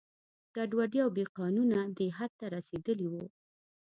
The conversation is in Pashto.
ګډوډي او بې قانونه دې حد ته رسېدلي وو.